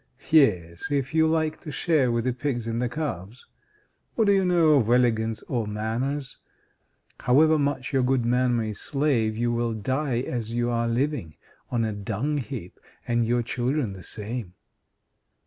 Yes, if you like to share with the pigs and the calves! What do you know of elegance or manners! However much your good man may slave, you will die as you are living on a dung heap and your children the same."